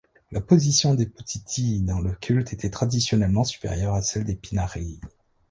La position des Potitii dans le culte était traditionnellement supérieure à celle des Pinarii.